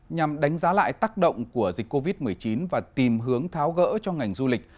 nhằm đánh giá lại tác động của dịch covid một mươi chín và tìm hướng tháo gỡ cho ngành du lịch